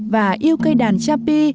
và yêu cây đàn chapi